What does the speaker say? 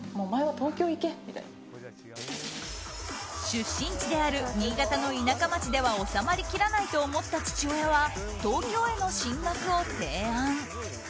出身地である新潟の田舎町ではおさまりきらないと思った父親は東京への進学を提案。